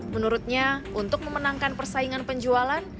menurutnya untuk memenangkan persaingan penjualan